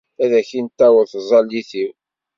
Ad ak-in-taweḍ tẓallit-iw.